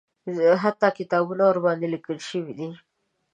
حتی کتابونه ورباندې لیکل شوي دي.